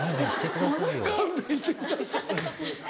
勘弁してくださいよ。